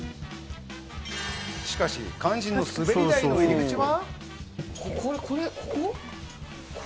しかし、肝心のすべり台の入り口は。